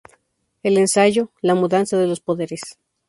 El ensayo "La mudanza de los poderes.